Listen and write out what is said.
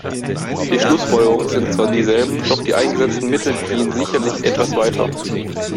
Die Schlussfolgerungen sind zwar dieselben, doch die eingesetzten Mittel gehen sicherlich etwas weiter.